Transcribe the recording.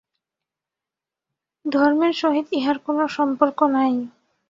ধর্মের সহিত ইহার কোন সম্পর্ক নাই।